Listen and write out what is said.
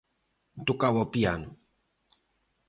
Tocaba o piano.